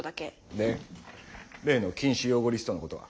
で例の「禁止用語リスト」のことは？